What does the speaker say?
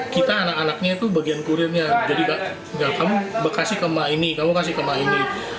kita anak anaknya itu bagian kurirnya jadi kamu bekasi ke emak ini kamu kasih ke emak ini